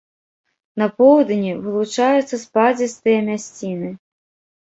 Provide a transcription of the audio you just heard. На поўдні вылучаюцца спадзістыя мясціны.